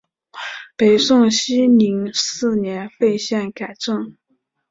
北宋熙宁四年废县改镇。